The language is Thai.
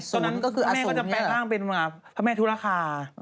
ตอนนั้นแม่ก็จะแปลอ้างเป็นพระแม่ธุรคา